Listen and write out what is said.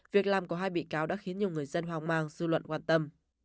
việc làm của hai bị cáo đã khiến nhiều người dân hoang mang dư luận quan tâm